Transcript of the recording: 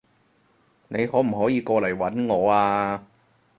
你可唔可以過嚟搵我啊？